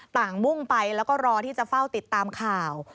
มุ่งไปแล้วก็รอที่จะเฝ้าติดตามข่าว